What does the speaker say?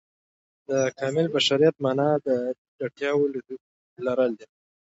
د کامل بشریت معنا د نیمګړتیاو لرل دي.